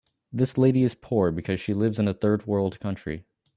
This lady is poor because she lives in a third world country